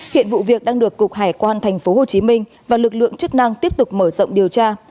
hiện vụ việc đang được cục hải quan tp hcm và lực lượng chức năng tiếp tục mở rộng điều tra